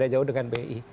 jauh jauh dengan bi